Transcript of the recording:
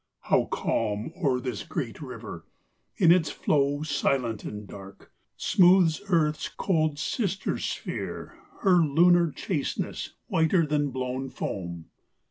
How calm o'er this great river, in its flow Silent and dark, smoothes Earth's cold sister sphere Her lunar chasteness, whiter than blown foam!